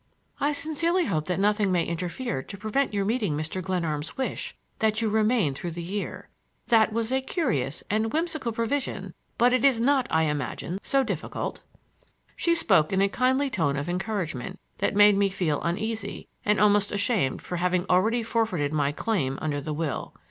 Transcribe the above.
"I sincerely hope that nothing may interfere to prevent your meeting Mr. Glenarm's wish that you remain through the year. That was a curious and whimsical provision, but it is not, I imagine, so difficult." She spoke in a kindly tone of encouragement that made me feel uneasy and almost ashamed for having already forfeited my claim under the will.